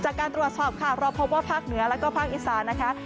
จากการตรวจสอบค่ะเราพบว่าภาคเหนือแล้วก็ภาคอีสานนะคะ